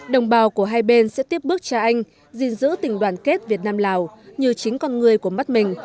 đồng bào của hai bên sẽ tiếp bước cha anh gìn giữ tình đoàn kết việt nam lào như chính con người của mắt mình